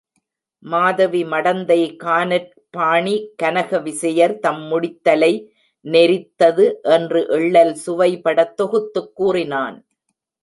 மாதவி மடந்தை கானற் பாணி கனகவிசயர் தம் முடித்தலை நெரித்தது என்று எள்ளல் சுவைபடத் தொகுத்துக் கூறினான்.